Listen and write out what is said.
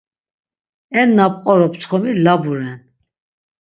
En na p̌qorop çxomi labu ren.